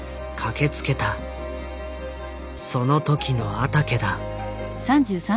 その時の阿竹だ。